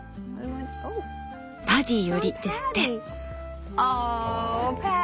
「パディより」ですって。